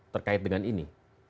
terkait dengan ini